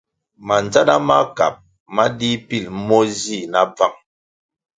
Mandzana makab ma dih pil mo zih na bvang.